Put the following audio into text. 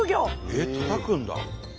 えったたくんだ。